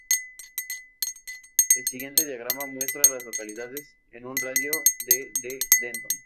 El siguiente diagrama muestra a las localidades en un radio de de Denton.